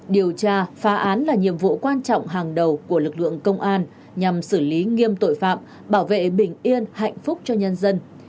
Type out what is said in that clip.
điều tra phá án là nhiệm vụ quan trọng hàng đầu của lực lượng công an nhằm xử lý nghiêm tội phạm bảo vệ bình yên hạnh phúc cho nhân dân